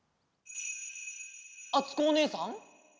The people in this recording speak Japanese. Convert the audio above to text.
あつこおねえさん？